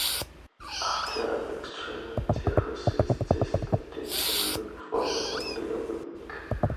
After extracting their horses, they skirted the lake for nearly a week.